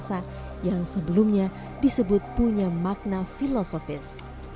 bahasa yang sebelumnya disebut punya makna filosofis